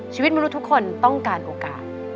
ชีวิตมนุษย์ทุกคนต้องการโอกาส